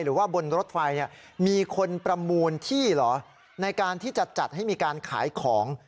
หรือว่าบนรถไฟมีคนประมูลที่เหรอในการที่จะจัดให้มีการขายของ